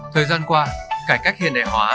thời gian qua cải cách hiện đại hóa